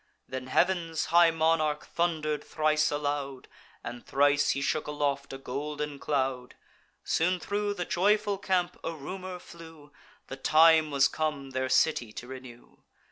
Then heav'n's high monarch thunder'd thrice aloud, And thrice he shook aloft a golden cloud. Soon thro' the joyful camp a rumour flew, The time was come their city to renew.